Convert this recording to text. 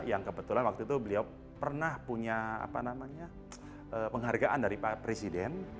yang kebetulan waktu itu beliau pernah punya penghargaan dari pak presiden